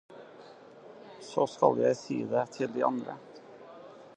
Så skal jeg si det til de andre.